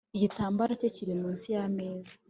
igitambara cye kiri munsi ya meza